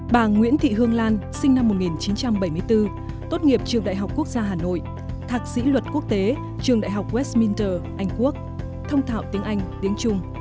bà nguyễn thị hương lan sinh năm một nghìn chín trăm bảy mươi bốn tốt nghiệp trường đại học quốc gia hà nội thạc sĩ luật quốc tế trường đại học westminster anh quốc thông thạo tiếng anh tiếng trung